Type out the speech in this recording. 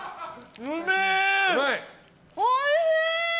おいしい！